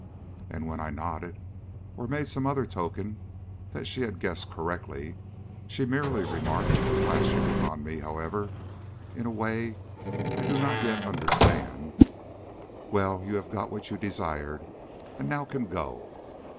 And when I nodded, or made some other token that she had guessed correctly, she merely remarked, flashing upon me, however, in a way I do not yet understand: 'Well, you have got what you desired, and now can go.'